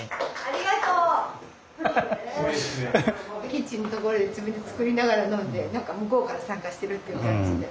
キッチンのところで自分で作りながら飲んで何か向こうから参加してるっていう感じで。